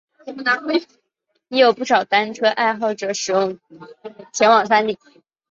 亦有不少单车爱好者使用前往山顶。